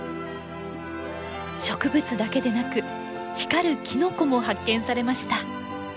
植物だけでなく光るキノコも発見されました。